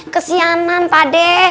kesianan pak de